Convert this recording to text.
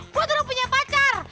gue udah punya pacar